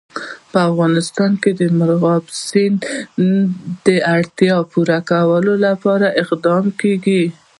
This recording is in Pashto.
په افغانستان کې د مورغاب سیند د اړتیاوو پوره کولو لپاره اقدامات کېږي.